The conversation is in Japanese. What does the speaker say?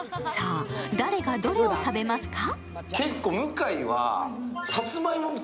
誰がどれを食べますか？